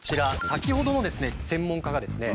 先ほどの専門家がですね